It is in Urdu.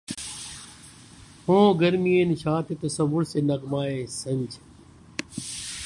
ہوں گرمیِ نشاطِ تصور سے نغمہ سنج